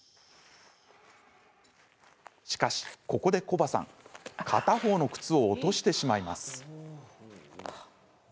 しかし、ここでコバさん片方の靴を落としてしまいます。